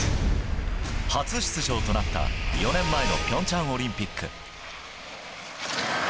初出場となった４年前の平昌オリンピック。